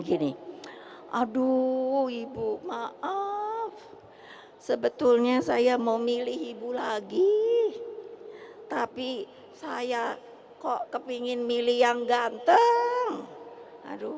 gini aduh ibu maaf sebetulnya saya mau milih ibu lagi tapi saya kok kepingin milih yang ganteng aduh